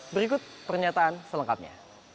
berikut pernyataan selengkapnya